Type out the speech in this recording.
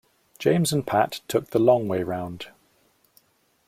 James and Pat took the long way round.